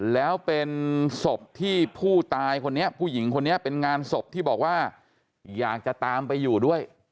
แล้วเป็นศพที่ผู้ตายคนนี้ผู้หญิงคนนี้เป็นงานศพที่บอกว่าอยากจะตามไปอยู่ด้วย